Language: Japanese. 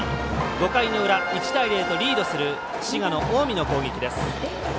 ５回の裏、１対０とリードする滋賀の近江の攻撃です。